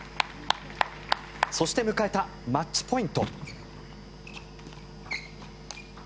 そして、迎えたマッチポイント。